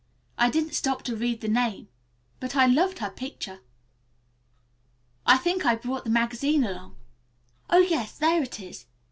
I didn't stop to read her name, but I loved her picture. I think I brought the magazine along. Oh, yes, there it is."